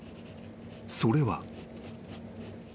［それは］